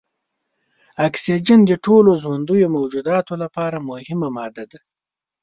اکسیجن د ټولو ژوندیو موجوداتو لپاره مهمه ماده ده.